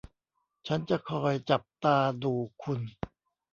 ฉันจะคอยจับตาดูคุณ